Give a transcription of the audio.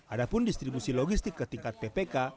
adapun distribusi logistik ke tingkat ppk